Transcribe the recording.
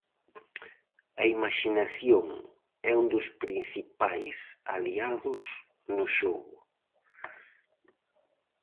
A imaxinación é un dos principais aliados no xogo.